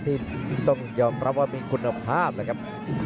ที่ต้องยอมรับว่ามีคุณภาพแล้วครับ